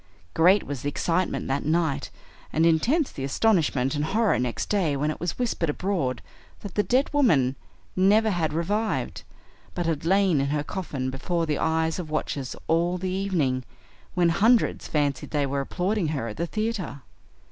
Great was the excitement that night, and intense the astonishment and horror next day when it was whispered abroad that the dead woman never had revived, but had lain in her coffin before the eyes of watchers all the evening, when hundreds fancied they were applauding her at the theater.